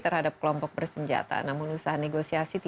terima kasih geldang di online ini saya bersama soe